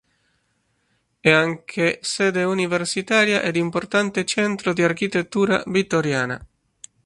È anche sede universitaria ed importante centro di architettura vittoriana.